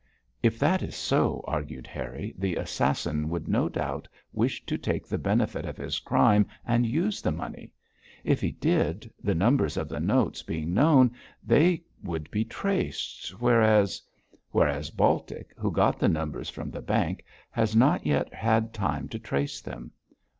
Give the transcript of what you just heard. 'If that is so,' argued Harry, 'the assassin would no doubt wish to take the benefit of his crime and use the money. If he did, the numbers of the notes being known, they would be traced, whereas ' 'Whereas Baltic, who got the numbers from the bank, has not yet had time to trace them.